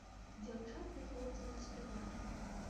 Дзяўчаты і хлопцы заспявалі.